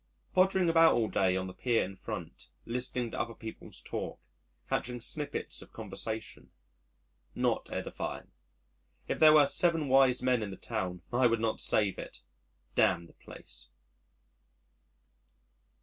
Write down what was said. Pottering about all day on the Pier and Front, listening to other people's talk, catching snippets of conversation not edifying. If there were seven wise men in the town, I would not save it. Damn the place!